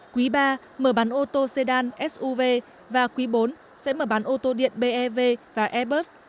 quý ba mở bán ô tô sedan suv và quý bốn sẽ mở bán ô tô điện bev và airbus